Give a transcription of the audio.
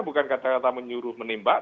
bukan kata kata menyuruh menembak